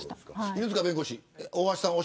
犬塚弁護士。